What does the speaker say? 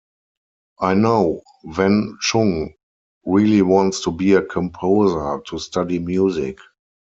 I know Wen-chung really wants to be a composer, to study music.